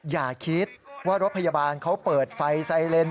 อย่าคิดว่ารถพยาบาลเขาเปิดไฟไซเลน